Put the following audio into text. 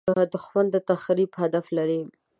دښمن د تخریب هدف لري